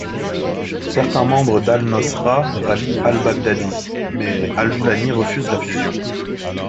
Certains membres d'al-Nosra rallient al-Baghdadi, mais al-Joulani refuse la fusion.